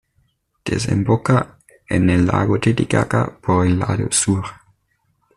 Desemboca en el lago Titicaca por el lado sur.